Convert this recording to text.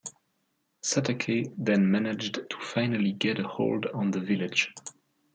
Satake then managed to finally get a hold on the village.